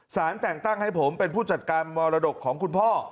แต่งตั้งให้ผมเป็นผู้จัดการมรดกของคุณพ่อ